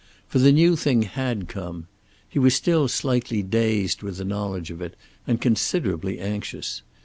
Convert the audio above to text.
For the new thing had come. He was still slightly dazed with the knowledge of it, and considerably anxious.